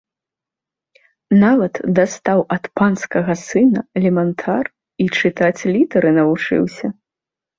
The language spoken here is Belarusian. Нават дастаў ад панскага сына лемантар і чытаць літары навучыўся.